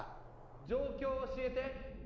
・状況を教えて！